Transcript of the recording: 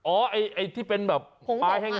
ไอ้ที่เป็นแบบปลายแห้ง